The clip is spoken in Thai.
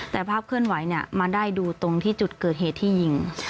แต่ภาพเคลื่อนไหวเนี่ยมาได้ดูตรงที่จุดเกิดเหตุที่ยิง